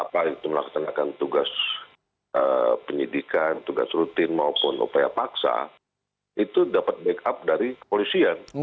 apa itu melaksanakan tugas penyidikan tugas rutin maupun upaya paksa itu dapat backup dari kepolisian